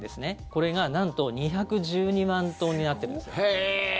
これがなんと２１２万トンになっているんです。